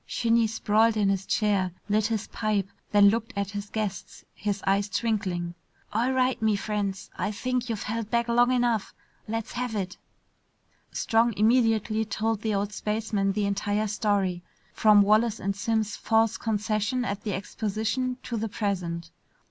Shinny sprawled in his chair, lit his pipe, then looked at his guests, his eyes twinkling. "All right, me friends, I think you've held back long enough. Let's have it." Strong immediately told the old spaceman the entire story, from Wallace and Simms' false concession at the exposition to the present.